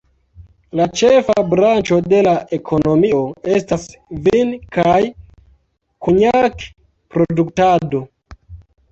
La ĉefa branĉo de la ekonomio estas vin- kaj konjak-produktado.